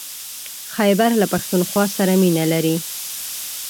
خيبر له پښتونخوا سره مينه لري.